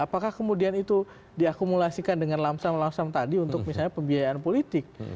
apakah kemudian itu diakumulasikan dengan lamsam lamsam tadi untuk misalnya pembiayaan politik